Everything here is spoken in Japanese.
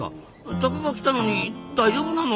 タカが来たのに大丈夫なの？